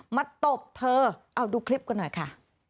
ตบเธอเอาดูคลิปกันหน่อยค่ะ